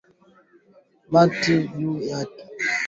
Bakutumika ku mashamba bana lomba mboka na mayi